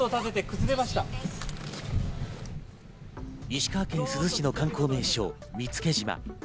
石川県珠洲市の観光名所・見附島。